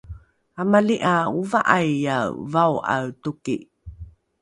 amali ’a ova’aiae vao’ae toki